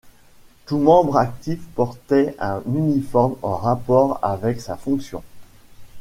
Tout membre actif portait un uniforme en rapport avec sa fonction.